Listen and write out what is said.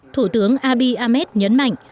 thủ tướng abiy ahmed nhấn mạnh